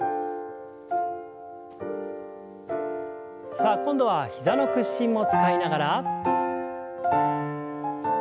さあ今度は膝の屈伸も使いながら。